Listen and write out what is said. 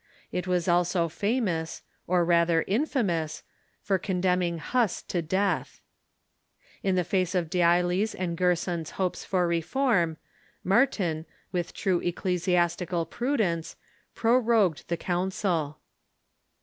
It was also famous, or, rather, infamous, for condemning Huss to death. 214 THE REFORMATION In the face of D'Ailly's and Gerson's hopes for reform, Martin, with true ecclesiastical prudence, prorogued the Council.